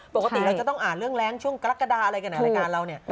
ปกติเราจะต้องอ่านเรื่องแรงช่วงกรกฎาอะไรกันในรายการเราเนี่ย